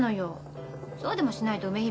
そうでもしないと梅響